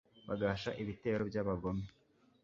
bagahashya ibitero by'abagome